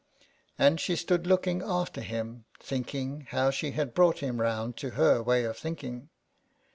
And she stood looking after him, thinking how she had brought him round to her way of thinking.